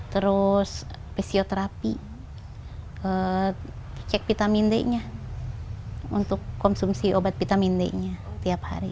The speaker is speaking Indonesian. terus fisioterapi cek vitamin d nya untuk konsumsi obat vitamin d nya tiap hari